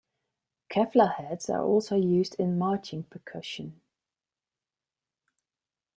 Kevlar heads are also used in marching percussion.